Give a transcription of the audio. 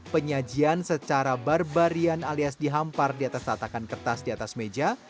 penyajian secara barbarian alias dihampar di atas tatakan kertas di atas meja